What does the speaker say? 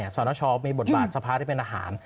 สนชมีบทบาทสภาที่เป็นอาหาร